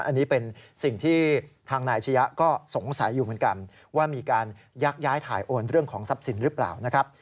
อันนี้เป็นสิ่งที่ทางนายอาชียะก็สงสัยอยู่เหมือนกันว่ามีการยักย้ายถ่ายโอนเรื่องของทรัพย์สินหรือเปล่านะครับ